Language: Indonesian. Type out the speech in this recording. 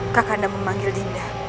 aku koska saya sendiri